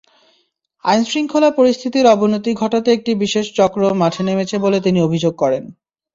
আইনশৃঙ্খলা পরিস্থিতির অবনতি ঘটাতে একটি বিশেষ চক্র মাঠে নেমেছে বলে অভিযোগ করেন তিনি।